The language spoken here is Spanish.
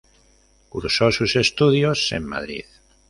Cursó sus estudios en Madrid.